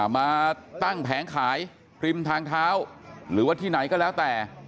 มาตั้งแผงขายริมทางเท้าหรือว่าที่ไหนก็แล้วแต่